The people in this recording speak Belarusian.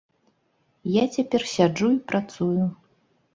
Я цяпер сяджу і працую.